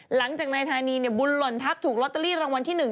หลังจากนายธานีบุญหล่นทัพถูกลอตเตอรี่รางวัลที่๑